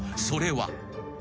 ［それは］